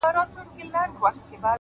راځي سبا ـ